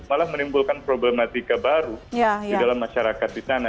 malah menimbulkan problematika baru di dalam masyarakat di sana